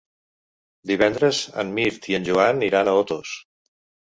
Divendres en Mirt i en Joan iran a Otos.